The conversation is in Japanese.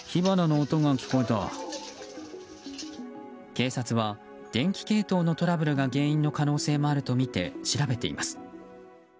警察は電気系統のトラブルが原因の可能性もあるとみて調べています。